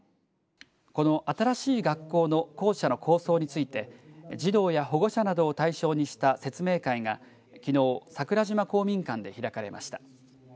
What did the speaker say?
この新しい学校の校舎の構想について児童や保護者などを対象にした説明会がきのう桜島公民館で開かれました。